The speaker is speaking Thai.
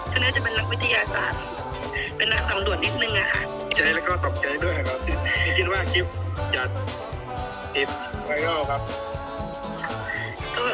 ก็น่าจะเป็นนักวิทยาศาสตร์เป็นนักสำรวจนิดนึงอะค่ะ